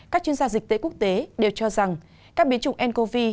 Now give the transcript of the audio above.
các chuyên gia dịch tễ quốc tế đều cho rằng các biến chủng ncov